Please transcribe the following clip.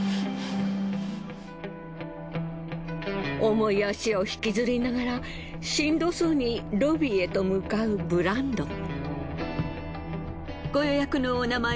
重い足を引きずりながらしんどそうにロビーへと向かうブランドン。